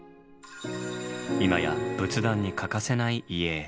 今や仏壇に欠かせない遺影。